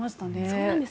そうなんです。